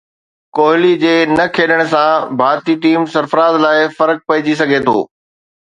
ڪوهلي جي نه کيڏڻ سان ڀارتي ٽيم سرفراز لاءِ فرق پئجي سگهي ٿو